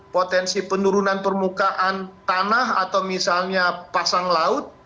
potensi penurunan permukaan tanah atau misalnya pasang laut